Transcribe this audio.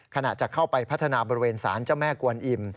ขณะจะเข้าไปพัฒนาบริเวณสารเจ้าแม่กวนอิ่ม